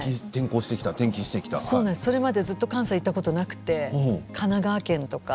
それまでずっと関西に行ったことがなくて神奈川県とか。